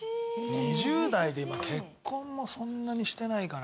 ２０代で今結婚もそんなにしてないから。